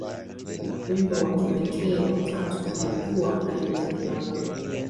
Wimbo wa kipekee wa tatu ulikuwa "I Am The Club".